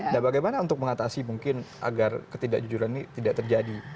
dan bagaimana untuk mengatasi mungkin agar ketidakjujuran ini tidak terjadi